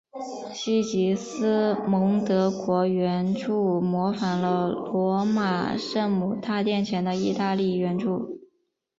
西吉斯蒙德圆柱模仿了罗马圣母大殿前的意大利圆柱。